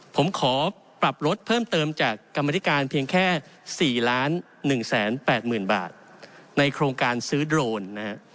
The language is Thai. ผมขอปรับลดเพิ่มเติมจากกรรมธิการเพียงแค่๔๑๘๐๐๐บาทในโครงการซื้อโดรนนะฮะ